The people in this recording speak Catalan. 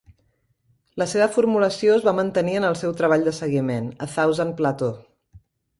La seva formulació es va mantenir en el seu treball de seguiment, "A Thousand Plateaus".